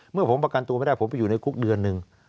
เมื่อผมประกันตัวไม่ได้ผมไปอยู่ในคุกเดือนหนึ่ง